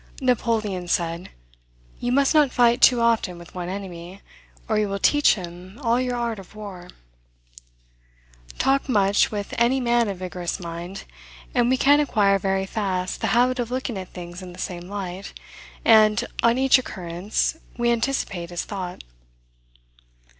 Napoleon said, "you must not fight too often with one enemy, or you will teach him all your art of war." Talk much with any man of vigorous mind, and we acquire very fast the habit of looking at things in the same light, and, on each occurrence, we anticipate his thought.